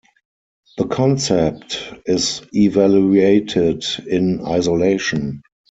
The concept is evaluated in isolation.